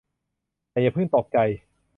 แต่อย่าเพิ่งตกใจ